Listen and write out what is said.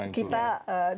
mana yang turun